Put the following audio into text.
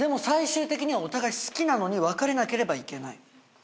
最終的にはお互い好きなのに別れなければいけない。